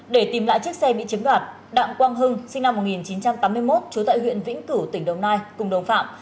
để tìm lại chiếc xe bị chiếm đoạt đặng quang hưng sinh năm một nghìn chín trăm tám mươi một trú tại huyện vĩnh cửu tỉnh đồng nai cùng đồng phạm